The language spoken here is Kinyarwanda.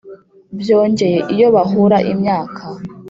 Byongeye iyo bahura imyaka,